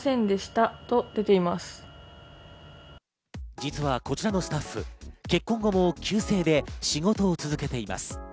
実はこちらのスタッフ、結婚後も旧姓で仕事を続けています。